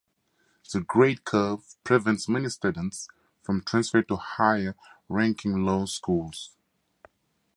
The grade curve prevents many students from transferring to higher ranking law schools.